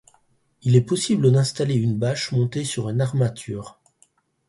Il est possible d'installer une bâche montée sur une armature.